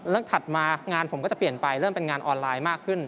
แล้วถัดมางานผมก็จะเปลี่ยนไปเริ่มเป็นงานออนไลน์มากขึ้น